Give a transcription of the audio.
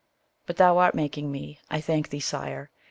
But thou art making me, I thank thee, sire.